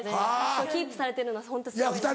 キープされてるのはホントすごいなと。